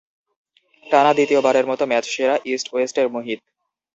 টানা দ্বিতীয়বারের মতো ম্যাচসেরা ইস্ট ওয়েস্টের মুহিত।